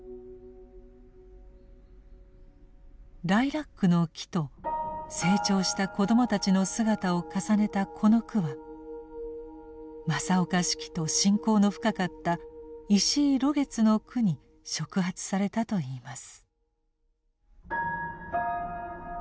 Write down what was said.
ライラックの木と成長した子どもたちの姿を重ねたこの句は正岡子規と親交の深かった石井露月の句に触発されたといいます。